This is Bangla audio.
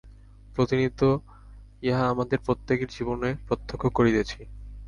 প্রতিনিয়ত ইহা আমাদের প্রত্যেকের জীবনে প্রত্যক্ষ করিতেছি।